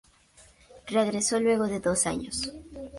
Regresó luego de dos años.